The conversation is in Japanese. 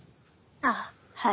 あっはい。